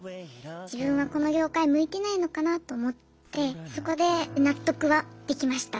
自分はこの業界向いてないのかなと思ってそこで納得はできました。